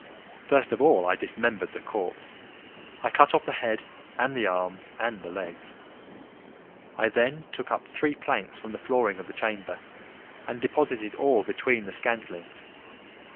First of all I dismembered the corpse. I cut off the head and the arms and the legs. I then took up three planks from the flooring of the chamber, and deposited all between the scantlings.